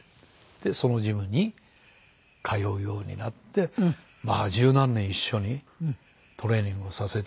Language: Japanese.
でそのジムに通うようになって十何年一緒にトレーニングをさせてもらって。